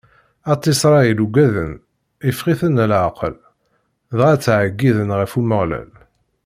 At Isṛayil ugaden, iffeɣ-iten leɛqel, dɣa ttɛeggiḍen ɣer Umeɣlal.